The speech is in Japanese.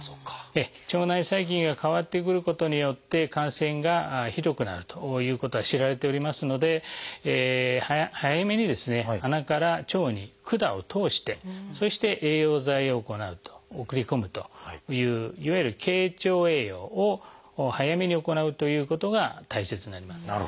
腸内細菌が変わってくることによって感染がひどくなるということは知られておりますので早めに鼻から腸に管を通してそして栄養剤を行う送り込むといういわゆる「経腸栄養」を早めに行うということが大切になります。